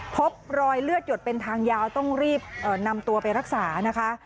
พบรอยเลือดหยดเป็นทางยาวต้องรีบนำตัวไปรักษานะคะ